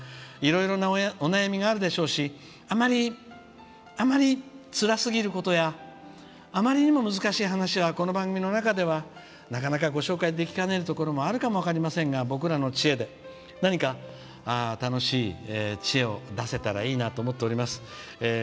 いろんなお悩みがあると思いますしあまり、つらすぎることやあまりにも難しい話はこの番組の中ではなかなかご紹介できかねるところもあるかも分かりませんが僕らの知恵で何か楽しい知恵を出せたらいいなと思っております。